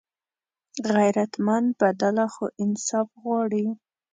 غیرتمند بدله خو انصاف غواړي